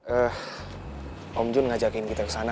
eh om jon ngajakin kita ke sana